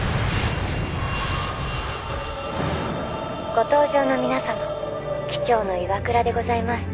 「ご搭乗の皆様機長の岩倉でございます」。